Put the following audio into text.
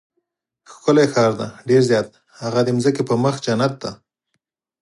ښکلی ښار دی؟ ډېر زیات، هغه د ځمکې پر مخ جنت دی.